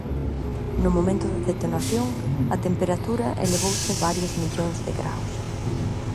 No momento da detonación, a temperatura elevouse varios millóns de graos.